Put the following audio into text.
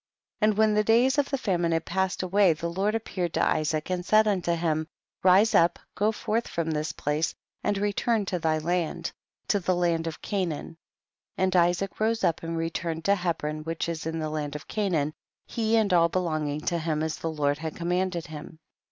16. And when the days of the fa mine had passed away the Lord ap peared to Isaac and said luito him, rise up, go forth from this place and return to thy land, to the land of Canaan ; and Isaac rose up and re turned to Hebron which is in the land of Canaan, he and all belonging to him as the Lord commanded him.